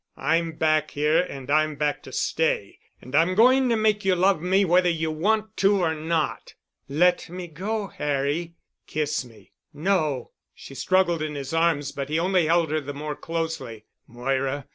I'm back here and I'm back to stay—and I'm going to make you love me whether you want to or not." "Let me go, Harry." "Kiss me." "No." She struggled in his arms, but he only held her the more closely. "Moira.